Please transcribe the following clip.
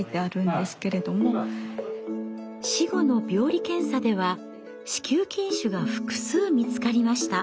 死後の病理検査では子宮筋腫が複数見つかりました。